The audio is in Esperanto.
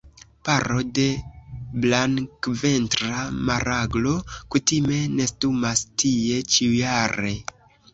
Paro de Blankventra maraglo kutime nestumas tie ĉiujare.